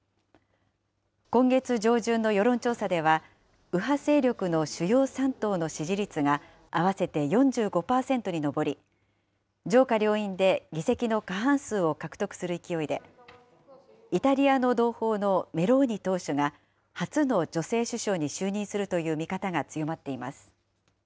今月上旬の世論調査では、右派勢力の主要３党の支持率が、合わせて４５％に上り、上下両院で議席の過半数を獲得する勢いで、イタリアの同胞のメローニ党首が初の女性首相に就任するという見方が強まっています。